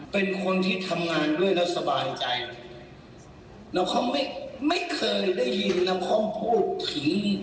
เป็นคนที่ทำงานด้วยแล้วสบายใจแล้วเขาไม่ไม่เคยได้ยินแล้วเขาพูดถึง